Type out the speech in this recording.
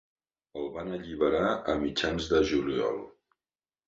El van alliberar a mitjans de juliol.